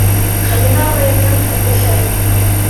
Хәлимә апайымдың һеңлеһе.